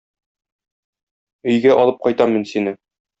Өйгә алып кайтам мин сине.